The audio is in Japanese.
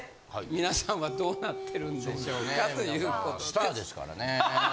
皆さんはどうなってるんでしょうかということです。